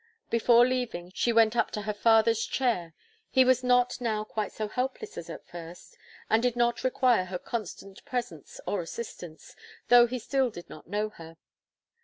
Before leaving, she went up to her other's chair, he was not now quite so helpless as at first, and did not require her constant presence or assistance; though he still did not know her.